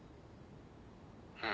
うん。